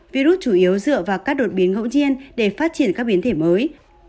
virus chủ yếu dựa vào các đột biến hỗn diện để phát triển các biến thể mới